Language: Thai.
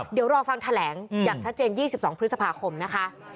เดี๋ยวรอฟังแถลงอย่างชัดเจน๒๒พฤษภาคมนะคะ